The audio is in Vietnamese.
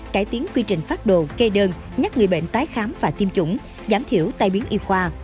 cải tiến quy trình phát đồ kê đơn nhắc người bệnh tái khám và tiêm chủng giảm thiểu tai biến y khoa